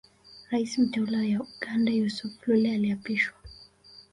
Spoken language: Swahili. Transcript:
Rais mteule wa Uganda Yusuf Lule aliapishwa